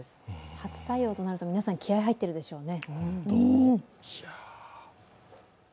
初採用となると、皆さん気合い入っているでしょうね。